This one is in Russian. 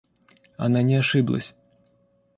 Она не ошиблась.